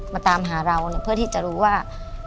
มาตามหาเราเพื่อที่จะรู้ว่า